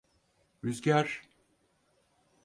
Rüzgar…